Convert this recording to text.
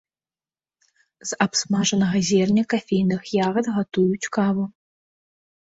З абсмажанага зерня кафейных ягад гатуюць каву.